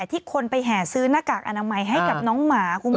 ที่คนไปแห่ซื้อหน้ากากอนามัยให้กับน้องหมาคุณผู้ชม